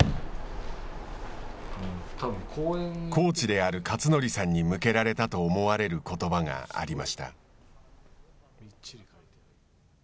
コーチである克則さんに向けられたと思われることばがありました。